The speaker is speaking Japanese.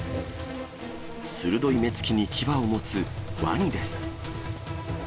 鋭い目つきにきばを持つワニです。